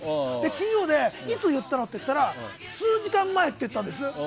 金曜で、いつ言ったの？って聞いたら数時間前って言ったんです。